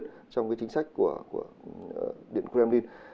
ưu tiên trong cái chính sách của điện kremlin